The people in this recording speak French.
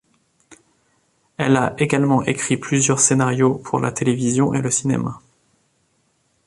Elle a également écrit plusieurs scénarios pour la télévision et le cinéma.